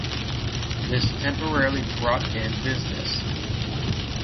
This temporarily brought in business.